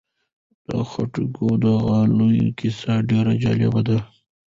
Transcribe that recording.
د خټکیو د غله کیسه ډېره جالبه ده.